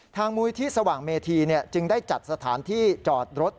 มูลิธิสว่างเมธีจึงได้จัดสถานที่จอดรถ